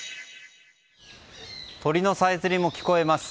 鳥のさえずりも聞こえます。